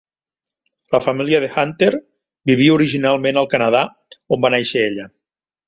La família de Hunter vivia originalment al Canadà, on va néixer ella.